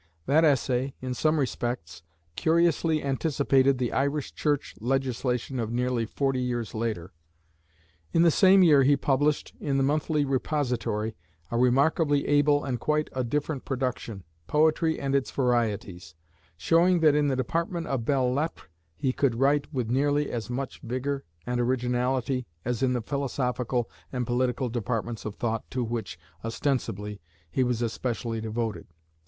That essay, in some respects, curiously anticipated the Irish Church legislation of nearly forty years later. In the same year he published, in "The Monthly Repository," a remarkably able and quite a different production, "Poetry and its Varieties," showing that in the department of belles lettres he could write with nearly as much vigor and originality as in the philosophical and political departments of thought to which, ostensibly, he was especially devoted.